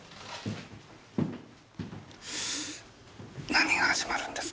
何が始まるんです？